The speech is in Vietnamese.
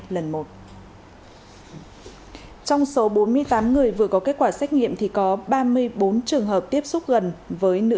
lần một trong số bốn mươi tám người vừa có kết quả xét nghiệm thì có ba mươi bốn trường hợp tiếp xúc gần với nữ